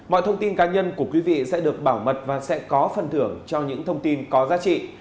mọi thông tin cá nhân của quý vị sẽ được bảo mật và sẽ có phần thưởng cho những thông tin có giá trị